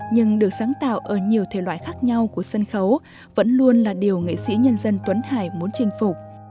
nhưng được sáng tạo ở nhiều thể loại khác nhau của sân khấu vẫn luôn là điều nghệ sĩ nhân dân tuấn hải muốn chinh phục